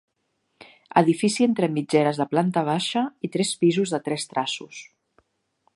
Edifici entre mitgeres de planta baixa i tres pisos de tres traços.